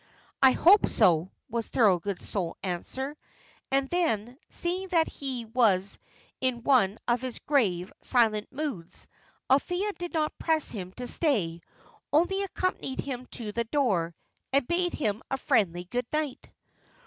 "I hope so," was Thorold's sole answer. And then, seeing that he was in one of his grave, silent moods, Althea did not press him to stay only accompanied him to the door, and bade him a friendly good night.